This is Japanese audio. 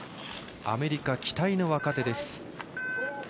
アメリカ期待の若手です。